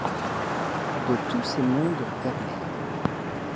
De tous ces mondes vermeils